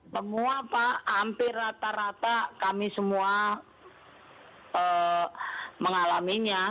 semua pak hampir rata rata kami semua mengalaminya